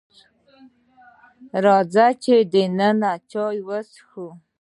راځئ دننه چای وسکئ.